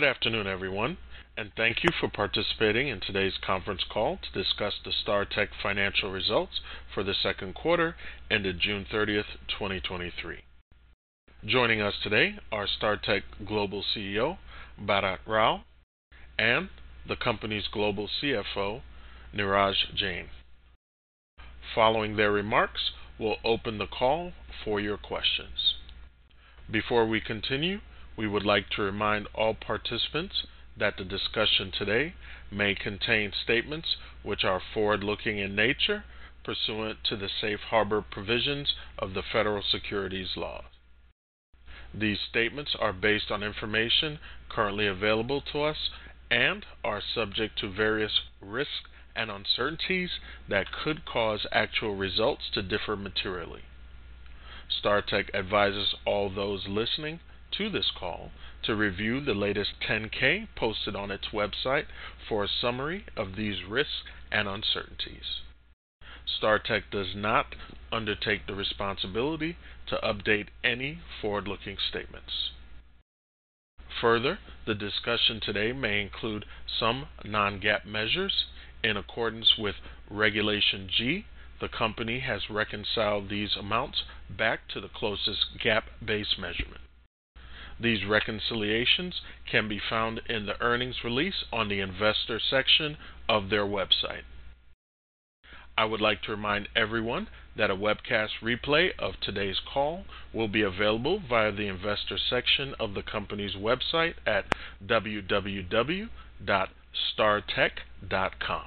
Good afternoon, everyone. Thank you for participating in today's conference call to discuss the Startek financial results for the second quarter, ended 30 June 2023. Joining us today are Startek Global CEO, Bharat Rao, and the company's Global CFO, Neeraj Jain. Following their remarks, we'll open the call for your questions. Before we continue, we would like to remind all participants that the discussion today may contain statements which are forward-looking in nature, pursuant to the safe harbor provisions of the Federal Securities Laws. These statements are based on information currently available to us and are subject to various risks and uncertainties that could cause actual results to differ materially. Startek advises all those listening to this call to review the latest 10-K posted on its website for a summary of these risks and uncertainties. Startek does not undertake the responsibility to update any forward-looking statements. The discussion today may include some non-GAAP measures. In accordance with Regulation G, the company has reconciled these amounts back to the closest GAAP base measurement. These reconciliations can be found in the earnings release on the investor section of their website. I would like to remind everyone that a webcast replay of today's call will be available via the investor section of the company's website at www.startek.com.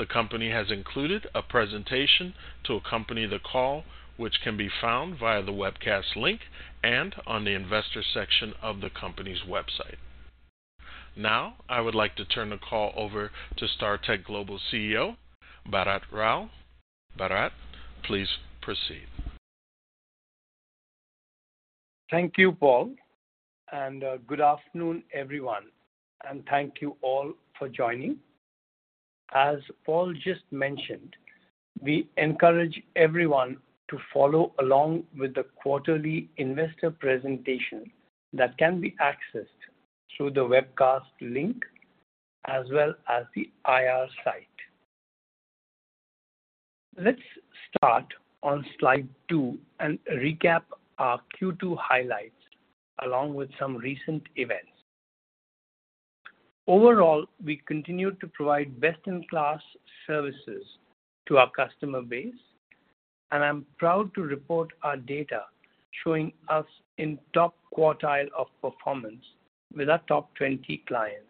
The company has included a presentation to accompany the call, which can be found via the webcast link and on the investor section of the company's website. I would like to turn the call over to Startek Global CEO, Bharat Rao. Bharat, please proceed. Thank you, Paul, and good afternoon, everyone, and thank you all for joining. As Paul just mentioned, we encourage everyone to follow along with the quarterly investor presentation that can be accessed through the webcast link as well as the IR site. Let's start on slide two and recap our second quarter highlights, along with some recent events. Overall, we continue to provide best-in-class services to our customer base, and I'm proud to report our data showing us in top quartile of performance with our top 20 clients.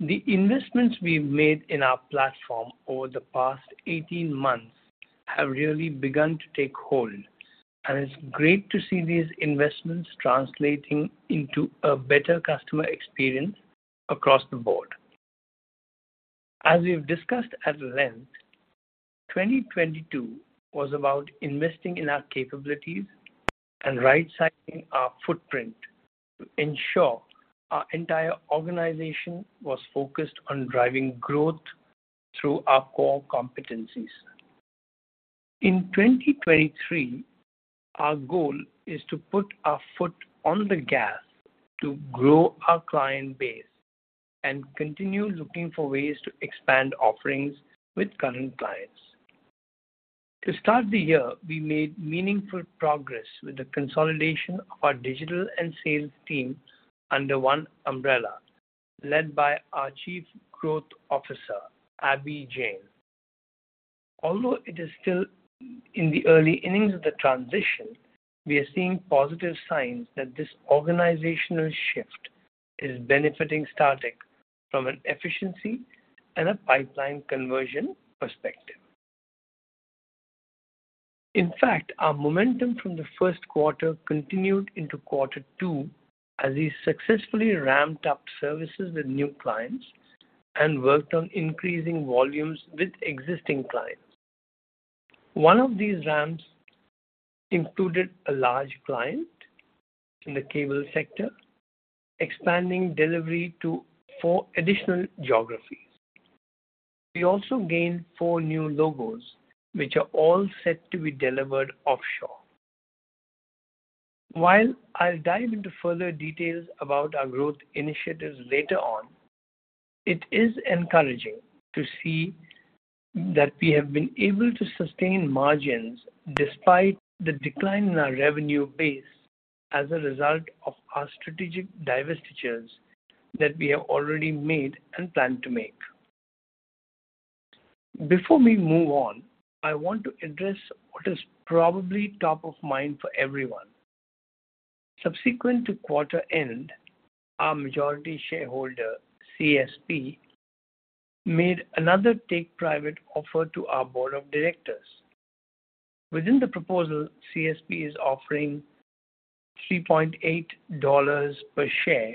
The investments we've made in our platform over the past 18 months have really begun to take hold, and it's great to see these investments translating into a better customer experience across the board. As we've discussed at length, 2022 was about investing in our capabilities and right-sizing our footprint to ensure our entire organization was focused on driving growth through our core competencies. In 2023, our goal is to put our foot on the gas to grow our client base and continue looking for ways to expand offerings with current clients. To start the year, we made meaningful progress with the consolidation of our digital and sales teams under one umbrella, led by our Chief Growth Officer, Abhinandan Jain. Although it is still in the early innings of the transition, we are seeing positive signs that this organizational shift is benefiting Startek from an efficiency and a pipeline conversion perspective. In fact, our momentum from the first quarter continued into quarter two, as we successfully ramped up services with new clients and worked on increasing volumes with existing clients. One of these ramps included a large client in the cable sector, expanding delivery to four additional geographies. We also gained four new logos, which are all set to be delivered offshore. While I'll dive into further details about our growth initiatives later on, it is encouraging to see that we have been able to sustain margins despite the decline in our revenue base as a result of our strategic divestitures that we have already made and plan to make. Before we move on, I want to address what is probably top of mind for everyone. Subsequent to quarter end, our majority shareholder, CSP, made another take-private offer to our board of directors. Within the proposal, CSP is offering $3.8 per share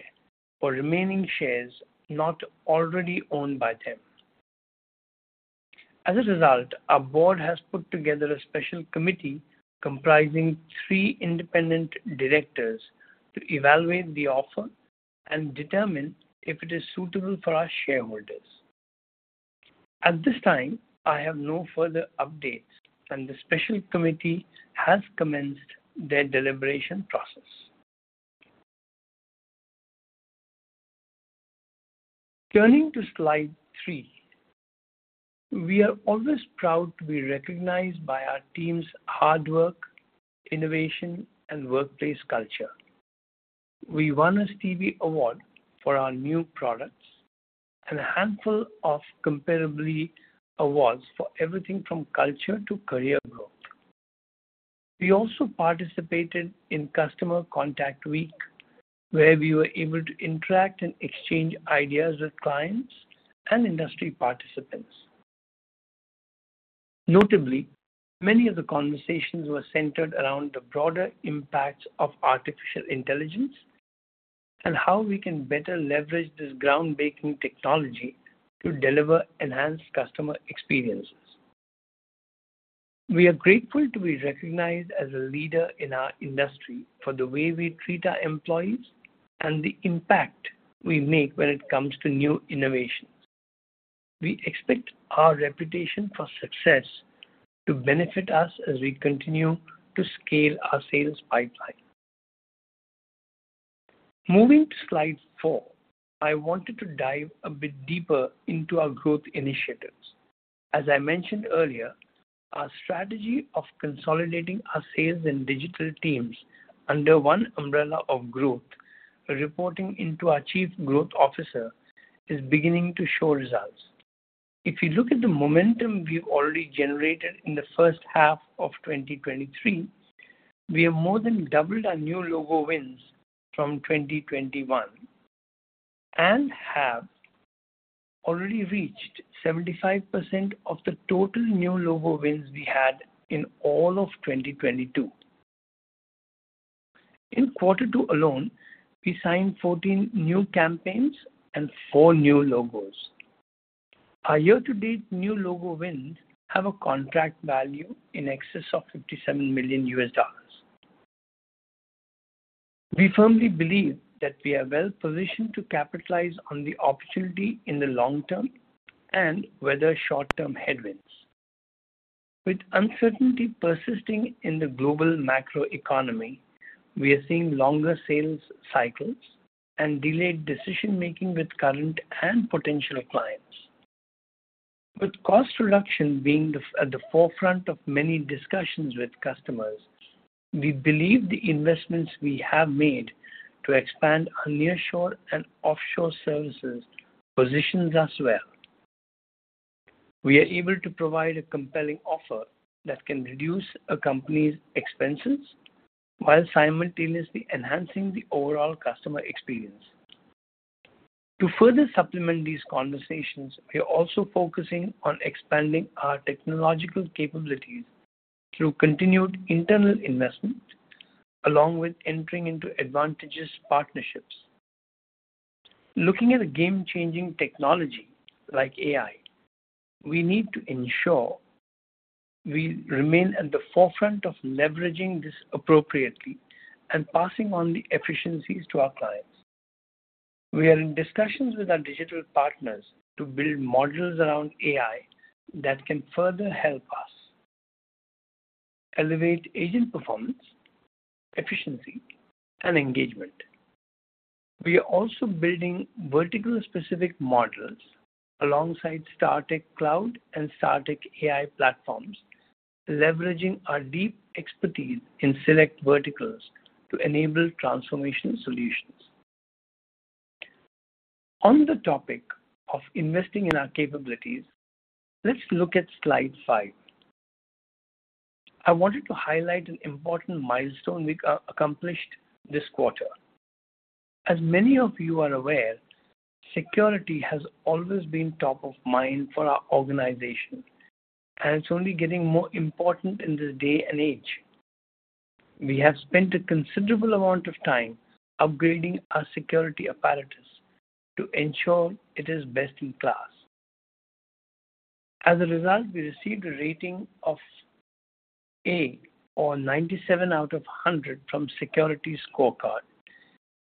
for remaining shares not already owned by them. As a result, our board has put together a special committee comprising three independent directors to evaluate the offer and determine if it is suitable for our shareholders. At this time, I have no further updates. The special committee has commenced their deliberation process. Turning to slide 3. We are always proud to be recognized by our team's hard work, innovation, and workplace culture. We won a Stevie Award for our new products and a handful of Comparably awards for everything from culture to career growth. We also participated in Customer Contact Week, where we were able to interact and exchange ideas with clients and industry participants. Notably, many of the conversations were centered around the broader impacts of artificial intelligence and how we can better leverage this groundbreaking technology to deliver enhanced customer experiences. We are grateful to be recognized as a leader in our industry for the way we treat our employees and the impact we make when it comes to new innovations. We expect our reputation for success to benefit us as we continue to scale our sales pipeline. Moving to slide 4, I wanted to dive a bit deeper into our growth initiatives. As I mentioned earlier, our strategy of consolidating our sales and digital teams under one umbrella of growth, reporting into our Chief Growth Officer, is beginning to show results. If you look at the momentum we've already generated in the first half of 2023, we have more than doubled our new logo wins from 2021 and have already reached 75% of the total new logo wins we had in all of 2022. In quarter two alone, we signed 14 new campaigns and four new logos. Our year-to-date new logo wins have a contract value in excess of $57 million. We firmly believe that we are well positioned to capitalize on the opportunity in the long term and weather short-term headwinds. With uncertainty persisting in the global macro economy, we are seeing longer sales cycles and delayed decision-making with current and potential clients. With cost reduction being at the forefront of many discussions with customers, we believe the investments we have made to expand our nearshore and offshore services positions us well. We are able to provide a compelling offer that can reduce a company's expenses while simultaneously enhancing the overall customer experience. To further supplement these conversations, we are also focusing on expanding our technological capabilities through continued internal investment, along with entering into advantageous partnerships. Looking at a game-changing technology like AI, we need to ensure we remain at the forefront of leveraging this appropriately and passing on the efficiencies to our clients. We are in discussions with our digital partners to build modules around AI that can further help us elevate agent performance, efficiency, and engagement. We are also building vertical-specific modules alongside Startek Cloud and Startek AI platforms, leveraging our deep expertise in select verticals to enable transformational solutions. On the topic of investing in our capabilities, let's look at slide five. I wanted to highlight an important milestone we accomplished this quarter. As many of you are aware, security has always been top of mind for our organization, and it's only getting more important in this day and age. We have spent a considerable amount of time upgrading our security apparatus to ensure it is best in class. As a result, we received a rating of A or 97 out of 100 from SecurityScorecard,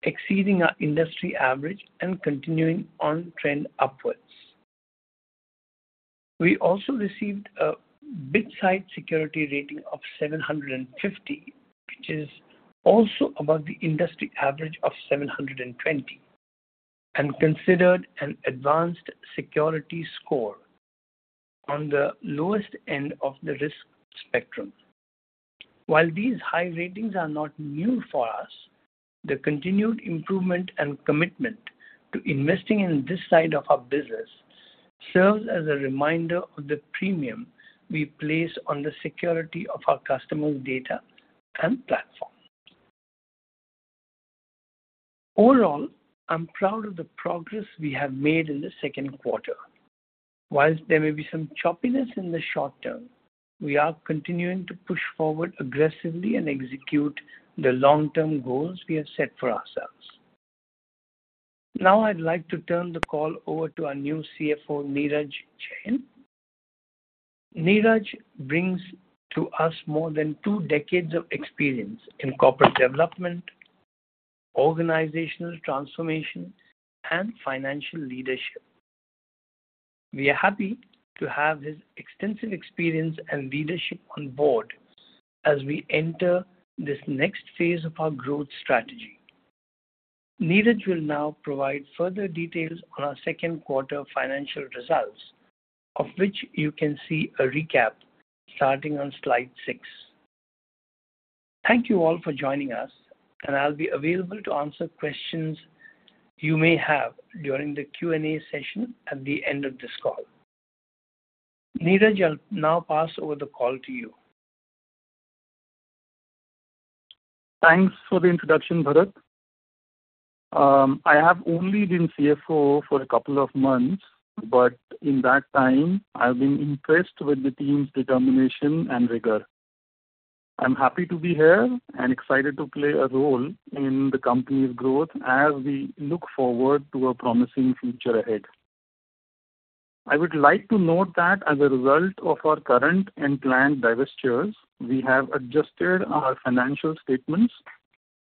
exceeding our industry average and continuing on trend upwards. We also received a BitSight security rating of 750, which is also above the industry average of 720, and considered an advanced security score on the lowest end of the risk spectrum. While these high ratings are not new for us, the continued improvement and commitment to investing in this side of our business serves as a reminder of the premium we place on the security of our customers' data and platforms. Overall, I'm proud of the progress we have made in the second quarter. Whilst there may be some choppiness in the short term, we are continuing to push forward aggressively and execute the long-term goals we have set for ourselves. Now, I'd like to turn the call over to our new CFO, Neeraj Jain. Neeraj brings to us more than two decades of experience in corporate development, organizational transformation, and financial leadership. We are happy to have his extensive experience and leadership on board as we enter this next phase of our growth strategy. Neeraj will now provide further details on our second quarter financial results, of which you can see a recap starting on slide 6. Thank you all for joining us, and I'll be available to answer questions you may have during the Q&A session at the end of this call. Neeraj, I'll now pass over the call to you. Thanks for the introduction, Bharat. I have only been CFO for a couple of months, but in that time I've been impressed with the team's determination and rigor. I'm happy to be here and excited to play a role in the company's growth as we look forward to a promising future ahead. I would like to note that as a result of our current and planned divestitures, we have adjusted our financial statements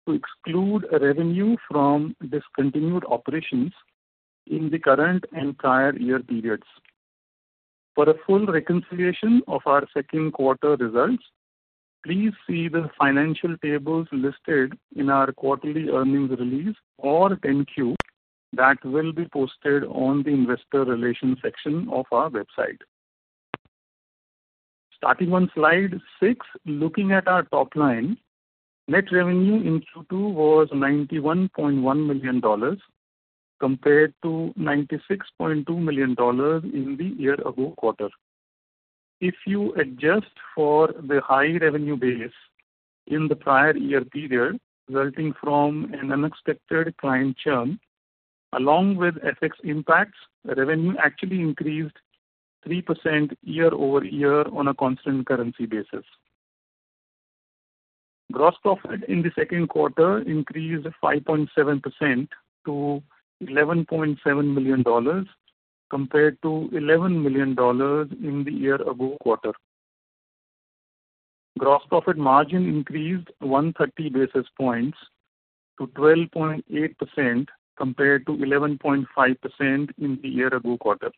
to exclude revenue from discontinued operations in the current and prior year periods. For a full reconciliation of our second quarter results, please see the financial tables listed in our quarterly earnings release or 10-Q that will be posted on the investor relations section of our website. Starting on slide six, looking at our top line, net revenue in second quarter was $91.1 million, compared to $96.2 million in the year-ago quarter. If you adjust for the high revenue base in the prior year period, resulting from an unexpected client churn, along with FX impacts, the revenue actually increased 3% year-over-year on a constant currency basis. Gross profit in the second quarter increased 5.7% to $11.7 million, compared to $11 million in the year-ago quarter. Gross profit margin increased 130 basis points to 12.8%, compared to 11.5% in the year-ago quarter.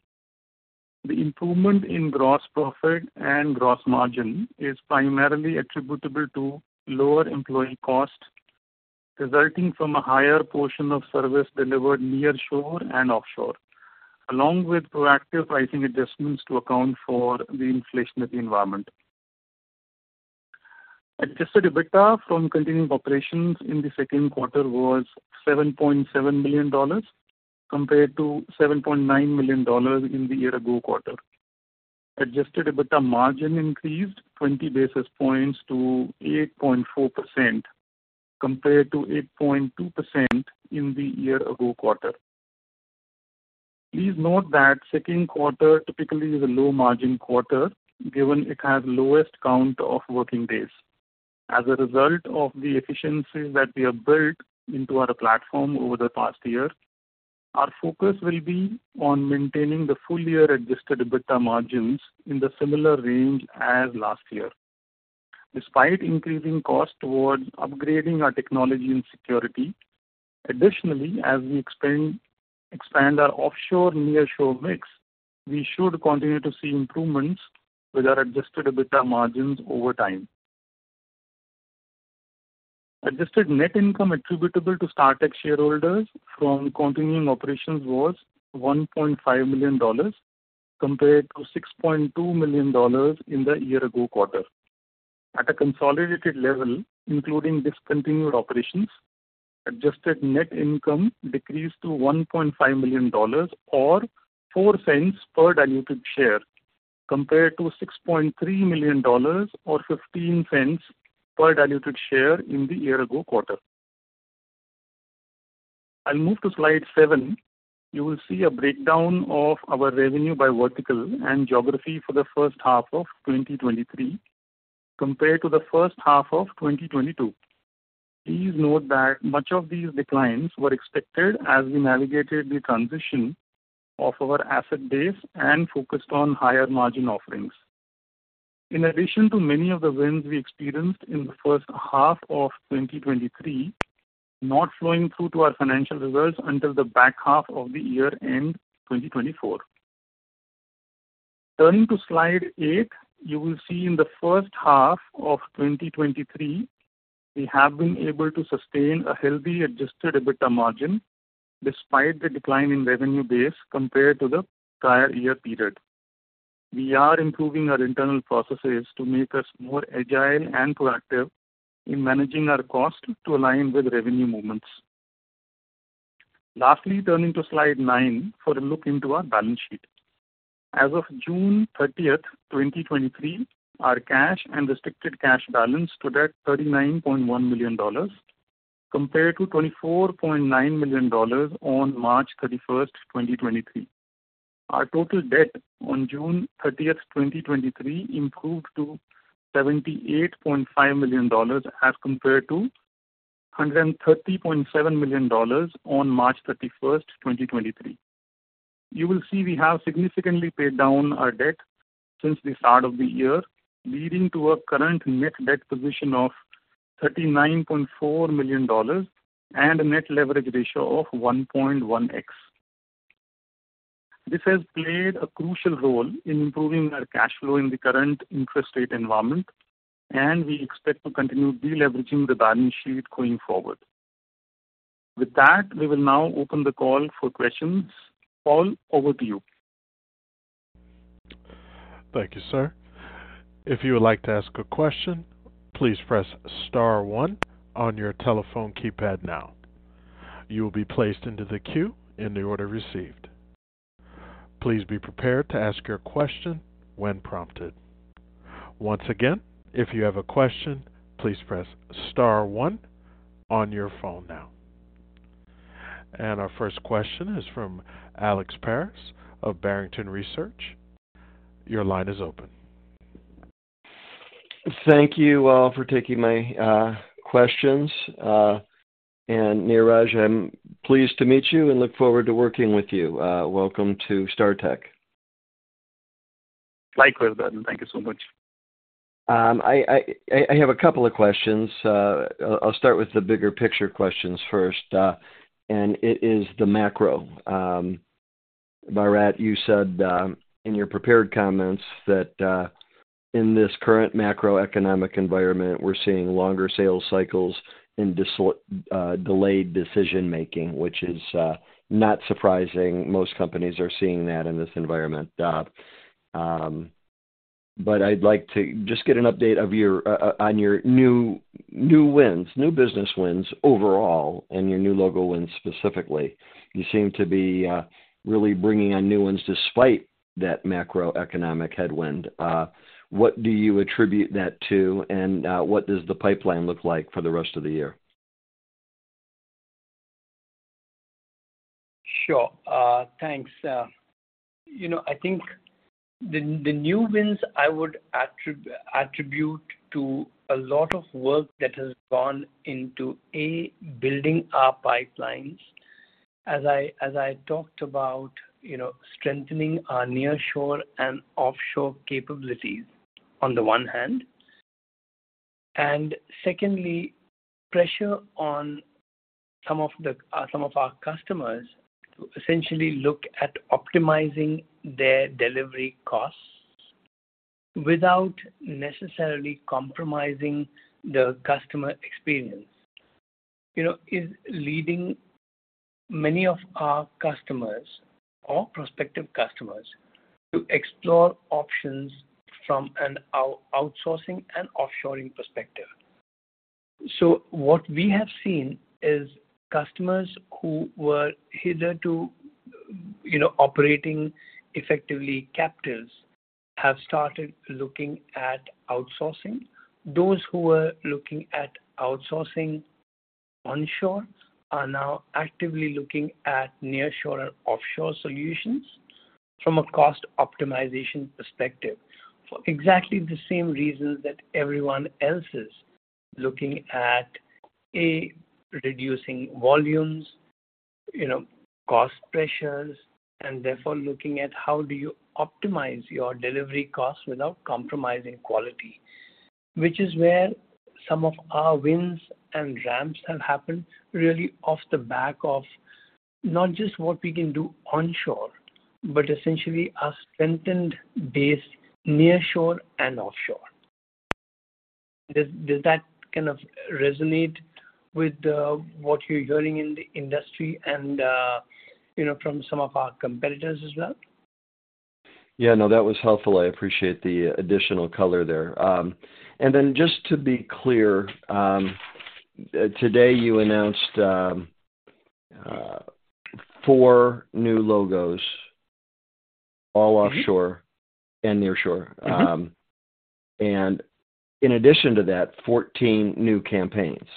The improvement in gross profit and gross margin is primarily attributable to lower employee costs, resulting from a higher portion of service delivered nearshore and offshore, along with proactive pricing adjustments to account for the inflationary environment. Adjusted EBITDA from continuing operations in the second quarter was $7.7 million, compared to $7.9 million in the year-ago quarter. Adjusted EBITDA margin increased 20 basis points to 8.4%, compared to 8.2% in the year-ago quarter. Please note that second quarter typically is a low-margin quarter, given it has lowest count of working days. As a result of the efficiencies that we have built into our platform over the past year, our focus will be on maintaining the full year Adjusted EBITDA margins in the similar range as last year, despite increasing costs towards upgrading our technology and security. Additionally, as we expand, expand our offshore nearshore mix, we should continue to see improvements with our adjusted EBITDA margins over time. Adjusted net income attributable to Startek shareholders from continuing operations was $1.5 million, compared to $6.2 million in the year-ago quarter. At a consolidated level, including discontinued operations, adjusted net income decreased to $1.5 million or $0.04 per diluted share, compared to $6.3 million or $0.15 per diluted share in the year-ago quarter. I'll move to slide seven. You will see a breakdown of our revenue by vertical and geography for the first half of 2023, compared to the first half of 2022. Please note that much of these declines were expected as we navigated the transition of our asset base and focused on higher-margin offerings. In addition to many of the wins we experienced in the first half of 2023, not flowing through to our financial results until the back half of the year end 2024. Turning to slide eight, you will see in the first half of 2023, we have been able to sustain a healthy adjusted EBITDA margin despite the decline in revenue base compared to the prior year period. We are improving our internal processes to make us more agile and proactive in managing our cost to align with revenue movements. Lastly, turning to slide nine for a look into our balance sheet. As of 30 June 2023, our cash and restricted cash balance stood at $39.1 million, compared to $24.9 million on 31 March 2023. Our total debt on 30 June 2023, improved to $78.5 million as compared to $130.7 million on 31 March 2023. You will see we have significantly paid down our debt since the start of the year, leading to a current net debt position of $39.4 million and a net leverage ratio of 1.1x. This has played a crucial role in improving our cash flow in the current interest rate environment, and we expect to continue deleveraging the balance sheet going forward. With that, we will now open the call for questions. Paul, over to you. Thank you, sir. If you would like to ask a question, please press star one on your telephone keypad now. You will be placed into the queue in the order received. Please be prepared to ask your question when prompted. Once again, if you have a question, please press star one on your phone now. Our first question is from Alex Paris of Barrington Research. Your line is open. Thank you, for taking my questions. Neeraj, I'm pleased to meet you and look forward to working with you. Welcome to Startek. Likewise, and thank you so much. I have a couple of questions. I'll start with the bigger picture questions first, it is the macro. Bharat, you said in your prepared comments that in this current macroeconomic environment, we're seeing longer sales cycles and delayed decision making, which is not surprising. Most companies are seeing that in this environment. I'd like to just get an update of your on your new, new wins, new business wins overall and your new logo wins specifically. You seem to be really bringing on new ones despite that macroeconomic headwind. What do you attribute that to? What does the pipeline look like for the rest of the year? Sure. Thanks. You know, I think the, the new wins I would attribute to a lot of work that has gone into, A, building our pipelines. As I, as I talked about, you know, strengthening our nearshore and offshore capabilities, on the one hand. Secondly, pressure on some of the, some of our customers to essentially look at optimizing their delivery costs without necessarily compromising the customer experience, you know, is leading many of our customers or prospective customers to explore options from an out- outsourcing and offshoring perspective. What we have seen is customers who were hitherto, you know, operating effectively captives have started looking at outsourcing. Those who were looking at outsourcing onshore are now actively looking at nearshore and offshore solutions from a cost optimization perspective, for exactly the same reasons that everyone else is looking at, A, reducing volumes, you know, cost pressures, and therefore looking at how do you optimize your delivery costs without compromising quality. Which is where some of our wins and ramps have happened, really off the back of not just what we can do onshore, but essentially our strengthened base, nearshore and offshore. Does that kind of resonate with what you're hearing in the industry and, you know, from some of our competitors as well? Yeah, no, that was helpful. I appreciate the additional color there. Then just to be clear, today you announced, four new logos, all offshore... Mm-hmm. Nearshore. Mm-hmm. In addition to that, 14 new campaigns.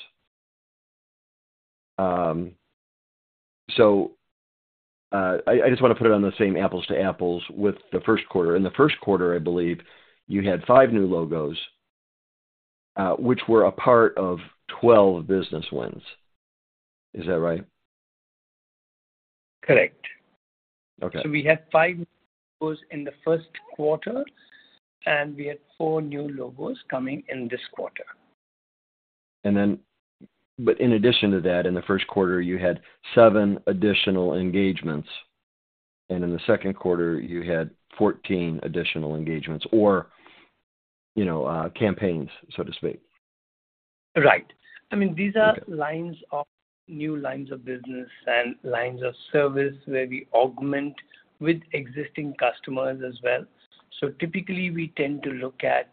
I, I just want to put it on the same apples to apples with the first quarter. In the first quarter, I believe you had five new logos, which were a part of 12 business wins. Is that right? Correct. Okay. We had five logos in the first quarter, and we had four new logos coming in this quarter. In addition to that, in the first quarter, you had seven additional engagements, and in the second quarter, you had 14 additional engagements or, you know, campaigns, so to speak. Right. Okay. I mean, these are new lines of business and lines of service where we augment with existing customers as well. Typically, we tend to look at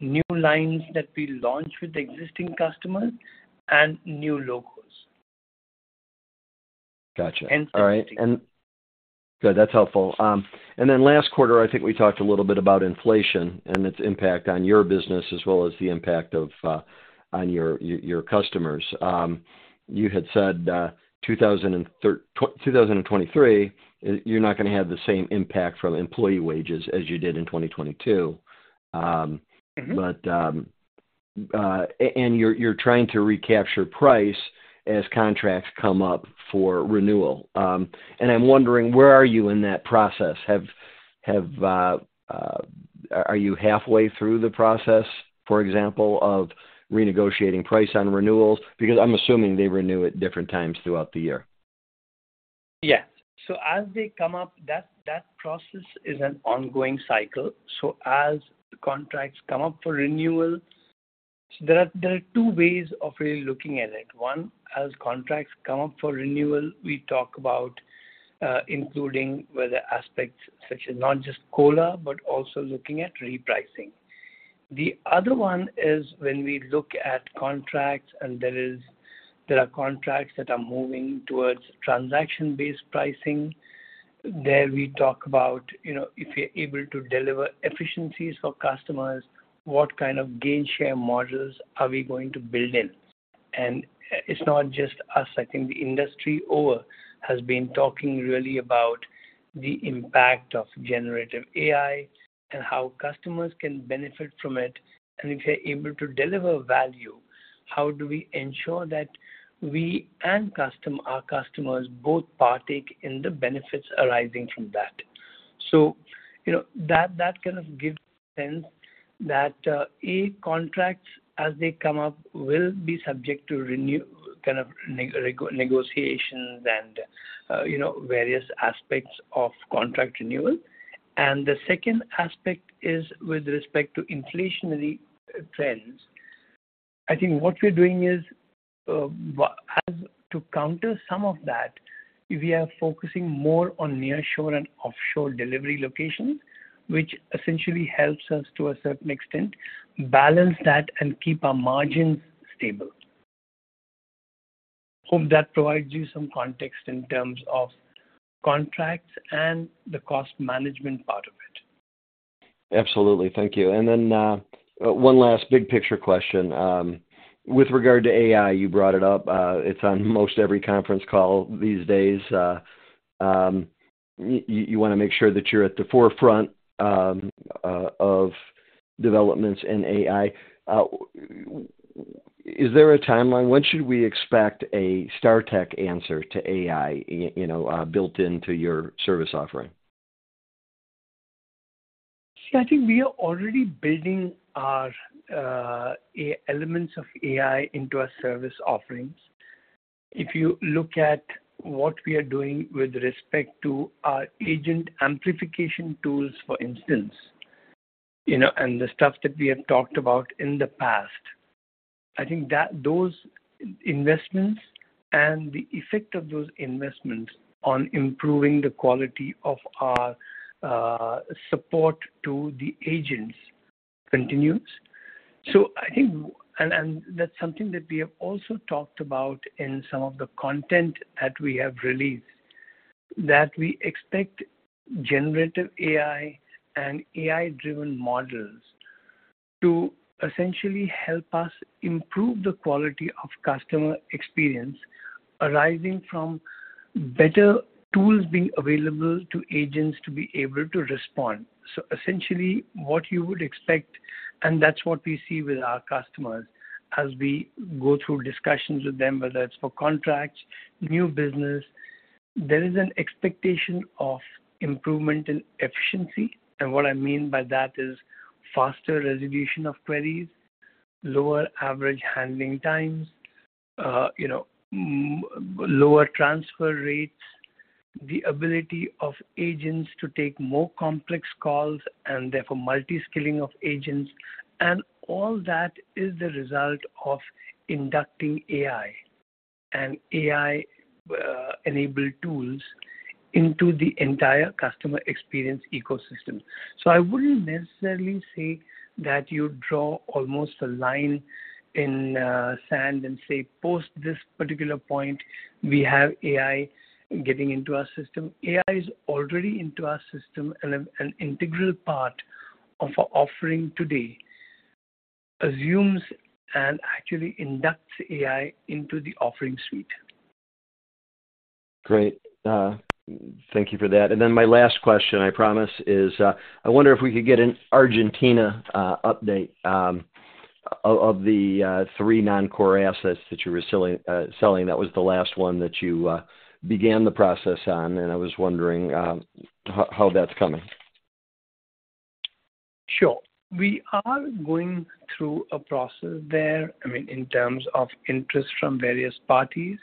new lines that we launch with existing customers and new logos. Gotcha. And... All right. Good, that's helpful. Last quarter, I think we talked a little bit about inflation and its impact on your business, as well as the impact of on your, your, your customers. You had said 2023, you're not gonna have the same impact from employee wages as you did in 2022. Mm-hmm. You're, you're trying to recapture price as contracts come up for renewal. I'm wondering, where are you in that process? Have, have, are you halfway through the process, for example, of renegotiating price on renewals? Because I'm assuming they renew at different times throughout the year. Yeah. As they come up, that, that process is an ongoing cycle. As the contracts come up for renewal, there are, there are two ways of really looking at it. One, as contracts come up for renewal, we talk about, including whether aspects such as not just COLA, but also looking at repricing. The other one is when we look at contracts, and there are contracts that are moving towards transaction-based pricing. There we talk about, you know, if we're able to deliver efficiencies for customers, what kind of gain share models are we going to build in? It's not just us. I think the industry over has been talking really about the impact of generative AI and how customers can benefit from it. If we're able to deliver value, how do we ensure that we and our customers both partake in the benefits arising from that? You know, that, that kind of gives sense that, A, contracts, as they come up, will be subject to renew, kind of negotiations and, you know, various aspects of contract renewal. The second aspect is with respect to inflationary trends. I think what we're doing is, but as to counter some of that, we are focusing more on nearshore and offshore delivery locations, which essentially helps us, to a certain extent, balance that and keep our margins stable. Hope that provides you some context in terms of contracts and the cost management part of it. Absolutely. Thank you. One last big picture question. With regard to AI, you brought it up. It's on most every conference call these days. You wanna make sure that you're at the forefront of developments in AI. Is there a timeline? When should we expect a Startek answer to AI, you know, built into your service offering? I think we are already building our AI, elements of AI into our service offerings. If you look at what we are doing with respect to our agent amplification tools, for instance, you know, and the stuff that we have talked about in the past, I think that those investments and the effect of those investments on improving the quality of our support to the agents continues. I think, and that's something that we have also talked about in some of the content that we have released, that we expect generative AI and AI-driven models to essentially help us improve the quality of customer experience arising from better tools being available to agents to be able to respond. Essentially, what you would expect, and that's what we see with our customers as we go through discussions with them, whether it's for contracts, new business, there is an expectation of improvement in efficiency. What I mean by that is faster resolution of queries, lower average handling times, you know, lower transfer rates, the ability of agents to take more complex calls and therefore, multi-skilling of agents. All that is the result of inducting AI and AI enabled tools into the entire customer experience ecosystem. I wouldn't necessarily say that you draw almost a line in sand and say, post this particular point, we have AI getting into our system. AI is already into our system and an integral part of our offering today, assumes and actually inducts AI into the offering suite. Great. Thank you for that. My last question, I promise, is, I wonder if we could get an Argentina update of, of the three non-core assets that you were selling, selling. That was the last one that you began the process on, and I was wondering, how, how that's coming? Sure. We are going through a process there, I mean, in terms of interest from various parties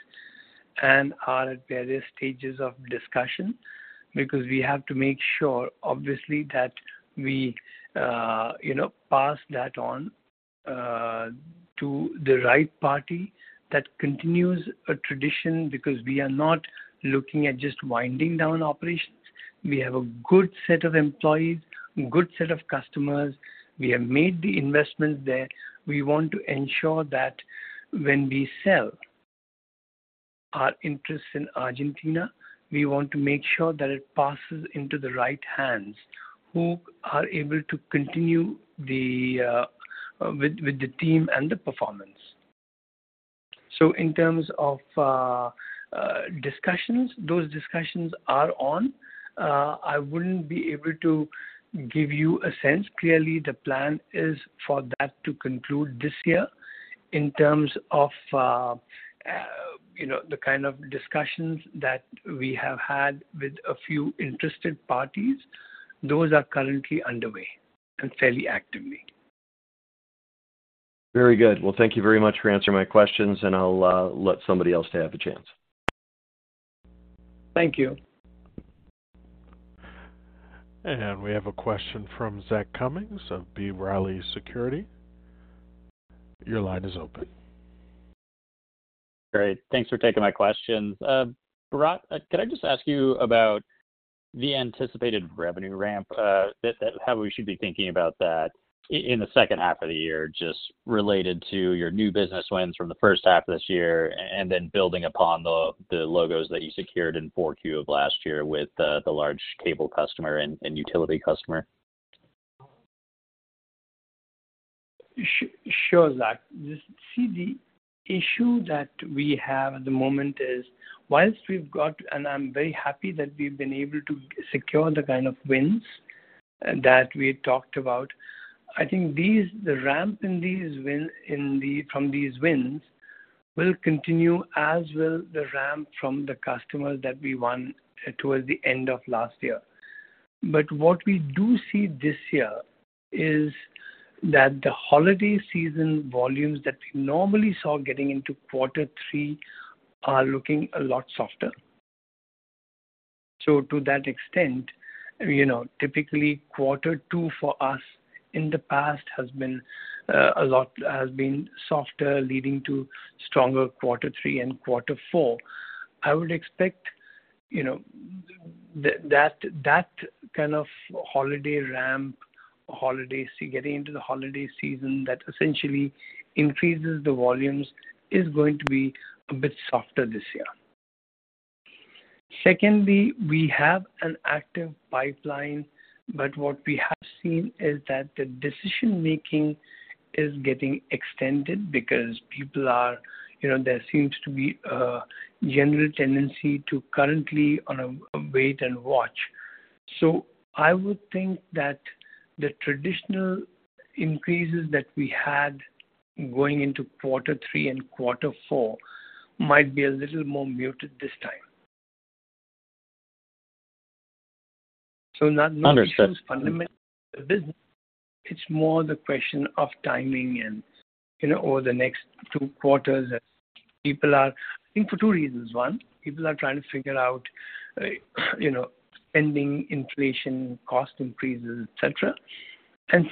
and are at various stages of discussion, because we have to make sure, obviously, that we, you know, pass that on to the right party. That continues a tradition because we are not looking at just winding down operations. We have a good set of employees, good set of customers. We have made the investments there. We want to ensure that when we sell-... our interest in Argentina, we want to make sure that it passes into the right hands, who are able to continue the with, with the team and the performance. In terms of discussions, those discussions are on. I wouldn't be able to give you a sense. Clearly, the plan is for that to conclude this year. In terms of, you know, the kind of discussions that we have had with a few interested parties, those are currently underway, and fairly actively. Very good. Well, thank you very much for answering my questions, and I'll let somebody else to have a chance. Thank you. We have a question from Zach Cummins of B. Riley Securities. Your line is open. Great. Thanks for taking my questions. Bharat, could I just ask you about the anticipated revenue ramp, that how we should be thinking about that in the second half of the year, just related to your new business wins from the first half of this year, and then building upon the, the logos that you secured in 4Q of last year with, the large cable customer and utility customer? Sure, Zach. Just see, the issue that we have at the moment is, whilst we've got... I'm very happy that we've been able to secure the kind of wins that we talked about. I think these, the ramp in these wins, in the, from these wins, will continue, as will the ramp from the customers that we won towards the end of last year. What we do see this year is that the holiday season volumes that we normally saw getting into quarter three are looking a lot softer. To that extent, you know, typically, quarter two for us in the past has been a lot, has been softer, leading to stronger quarter three and quarter four. I would expect, you know, that, that kind of holiday ramp, holiday season getting into the holiday season, that essentially increases the volumes, is going to be a bit softer this year. Secondly, we have an active pipeline, but what we have seen is that the decision-making is getting extended because people are, you know, there seems to be a general tendency to currently on a wait and watch. I would think that the traditional increases that we had going into quarter three and quarter four might be a little more muted this time. So not- Understood. Fundamental business, it's more the question of timing and, you know, over the next two quarters, people are, I think for two reasons: one, people are trying to figure out, you know, pending inflation, cost increases, et cetera.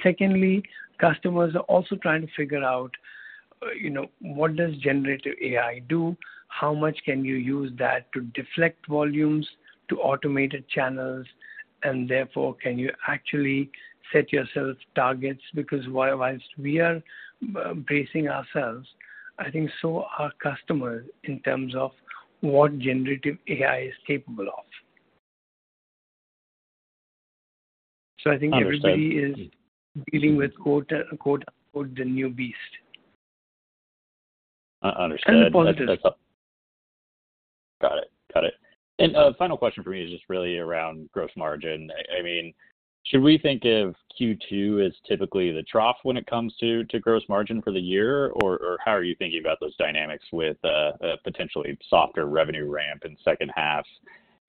Secondly, customers are also trying to figure out, you know, what does generative AI do? How much can you use that to deflect volumes to automated channels? Therefore, can you actually set yourself targets? Because while, whilst we are bracing ourselves, I think so are customers in terms of what generative AI is capable of. I think. Understood. Everybody is dealing with, quote, quote, "the new beast... U-understood. Positive. Got it. Got it. Final question for me is just really around gross margin. I mean, should we think of second quarter as typically the trough when it coming to, to gross margin for the year? Or, or how are you thinking about those dynamics with a potentially softer revenue ramp in second half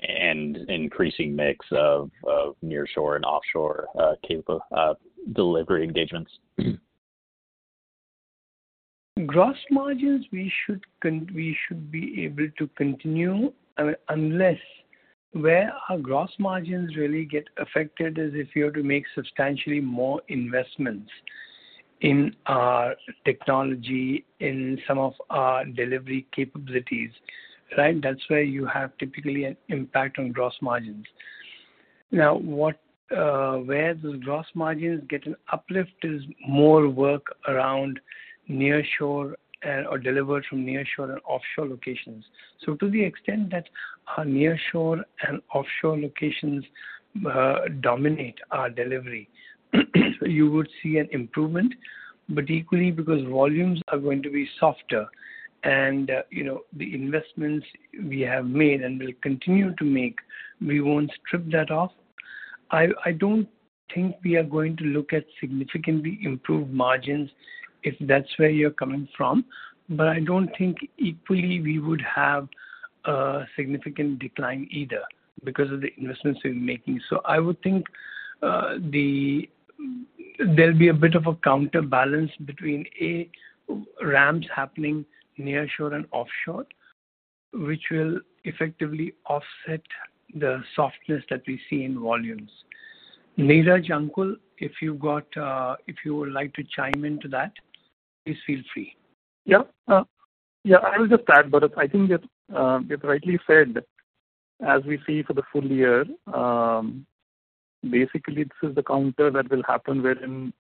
and increasing mix of, of nearshore and offshore delivery engagements? Gross margins, we should we should be able to continue, I mean, unless where our gross margins really get affected is if you're to make substantially more investments in our technology, in some of our delivery capabilities, right? That's where you have typically an impact on gross margins. What, where the gross margins get an uplift is more work around nearshore and, or delivered from nearshore and offshore locations. To the extent that our nearshore and offshore locations, dominate our delivery, you would see an improvement. Equally, because volumes are going to be softer and, you know, the investments we have made and will continue to make, we won't strip that off. I don't think we are going to look at significantly improved margins, if that's where you're coming from, I don't think equally we would have a significant decline either because of the investments we're making. I would think, the There'll be a bit of a counterbalance between, A, ramps happening nearshore and offshore, which will effectively offset the softness that we see in volumes. Neeraj, Ankul, if you've got, if you would like to chime into that, please feel free. Yeah. Yeah, I will just add, I think you rightly said, as we see for the full year, basically this is the counter that will happen wherein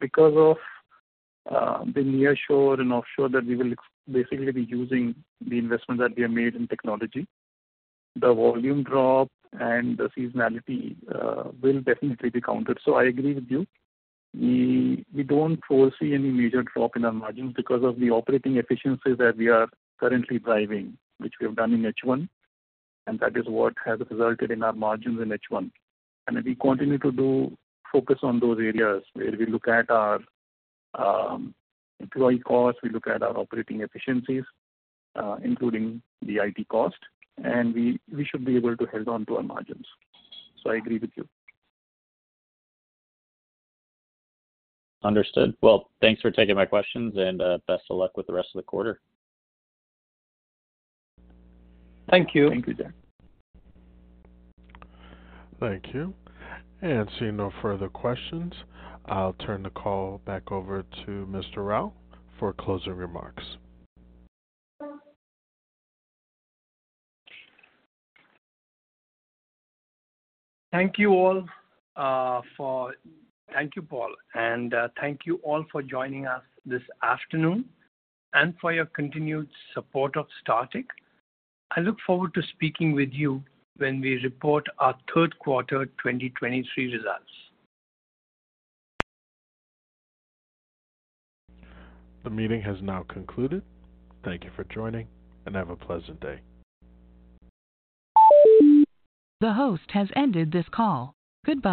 because of the nearshore and offshore, that we will basically be using the investment that we have made in technology. The volume drop and the seasonality will definitely be countered. I agree with you. We don't foresee any major drop in our margins because of the operating efficiencies that we are currently driving, which we have done in H1, and that is what has resulted in our margins in H1. We continue to do focus on those areas, where we look at our employee costs, we look at our operating efficiencies, including the IT cost, and we should be able to hold on to our margins. I agree with you. Understood. Well, thanks for taking my questions, and best of luck with the rest of the quarter. Thank you. Thank you, Zach. Thank you. Seeing no further questions, I'll turn the call back over to Mr. Rao for closing remarks. Thank you all. Thank you, Paul, and thank you all for joining us this afternoon, and for your continued support of Startek. I look forward to speaking with you when we report our third quarter 2023 results. The meeting has now concluded. Thank you for joining, and have a pleasant day. The host has ended this call. Goodbye.